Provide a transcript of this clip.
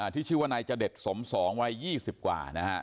ชื่อว่านายจเด็ดสม๒วัย๒๐กว่านะฮะ